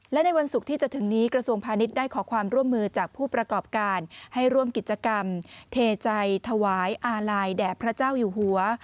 และในวันศุกร์ที่จะถึงนี้กระทรวงพาณิชย์ได้ขอความร่วมมือจากผู้ประกอบการให้ร่วมกิจกรรมเทใจถวายอาลัยแด่พระเจ้าอยู่หัว